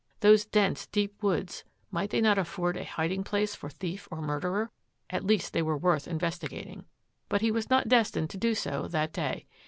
Those dense, deep woods, might they not afford a hiding place for thief or murderer? At least they were worth investigating. But he was not destined to do so that day.